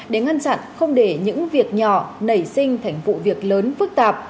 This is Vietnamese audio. để ngăn chặn không để những việc nhỏ nảy sinh thành vụ việc lớn phức tạp